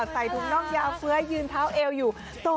ใส่ถุงน่องยาวเฟื้อยืนเท้าเอวอยู่